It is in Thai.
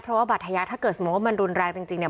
เพราะว่าบัตรทยะถ้าเกิดสมมุติว่ามันรุนแรงจริงเนี่ย